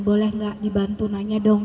boleh nggak dibantu nanya dong